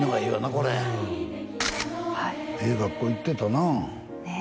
これはいええ学校行ってたなねえ